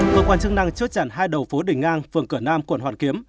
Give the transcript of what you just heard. cơ quan chức năng chốt chặn hai đầu phố đình ngang phường cửa nam quận hoàn kiếm